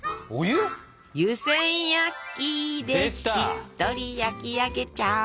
「湯せん焼き」でしっとり焼き上げちゃう。